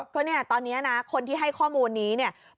ก็เนี่ยตอนนี้นะคนที่ให้ข้อมูลนี้เนี่ย